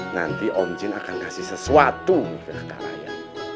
nanti om jun akan kasih sesuatu ke kak raya